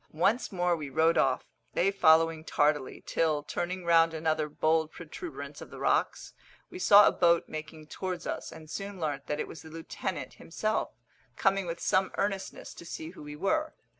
Once more we rowed off, they following tardily, till, turning round another bold protuberance of the rocks, we saw a boat making towards us, and soon learnt that it was the lieutenant himself, coming with some earnestness to see who we were.